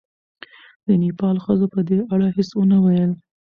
د نېپال ښځو په دې اړه هېڅ ونه ویل.